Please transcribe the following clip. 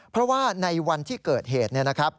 เพราะว่าในวันที่เกิดเหตุ